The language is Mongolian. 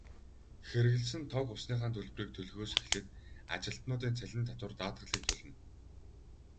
Хэрэглэсэн тог, усныхаа төлбөрийг төлөхөөс эхлээд ажилтнуудын цалин, татвар, даатгалыг төлнө.